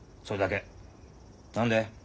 何で？